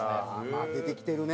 まあ出てきてるね。